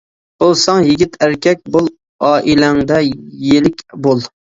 بولساڭ يىگىت ئەركەك بول، ئائىلەڭدە يىلىك بول.